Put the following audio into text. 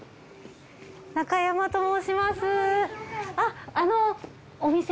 中山と申します。